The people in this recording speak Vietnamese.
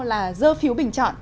là dơ phiếu bình chọn